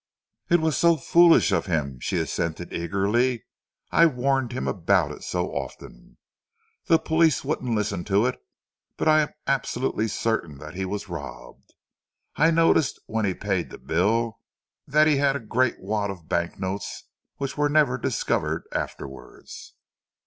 "It was so foolish of him," she assented eagerly: "I warned him about it so often. The police won't listen to it but I am absolutely certain that he was robbed. I noticed when he paid the bill that he had a great wad of bank notes which were never discovered afterwards."